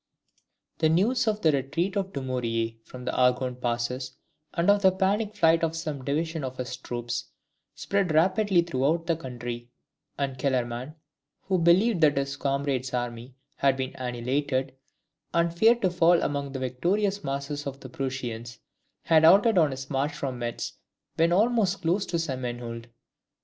] The news of the retreat of Dumouriez from the Argonne passes, and of the panic flight of some divisions of his troops, spread rapidly throughout the country; and Kellerman, who believed that his comrade's army had been annihilated, and feared to fall among the victorious masses of the Prussians, had halted on his march from Metz when almost close to St. Menehould.